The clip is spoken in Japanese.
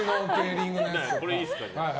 これいいですか。